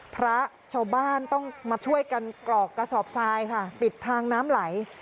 พระชาวบ้านต้องมาช่วยกันกรอกกระสอบทรายค่ะปิดทางน้ำไหล